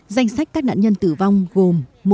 danh sách các nạn nhân tử vong gồm